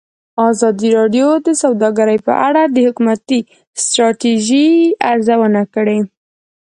ازادي راډیو د سوداګري په اړه د حکومتي ستراتیژۍ ارزونه کړې.